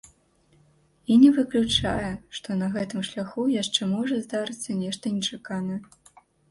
І не выключае, што на гэтым шляху яшчэ можа здарыцца нешта нечаканае.